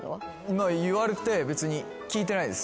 まあ言われて別に聞いてないです。